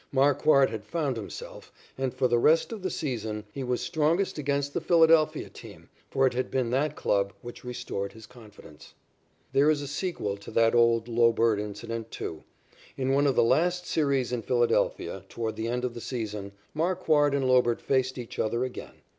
Marquard had found himself, and, for the rest of the season, he was strongest against the Philadelphia team, for it had been that club which restored his confidence. There is a sequel to that old Lobert incident, too. In one of the last series in Philadelphia, toward the end of the season, Marquard and Lobert faced each other again.